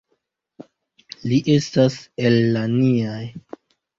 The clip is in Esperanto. Li estas el la niaj.